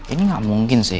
ini tidak mungkin sih